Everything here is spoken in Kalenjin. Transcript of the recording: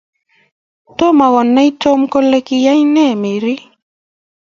Tomo konay Tom kole kiya nee Mary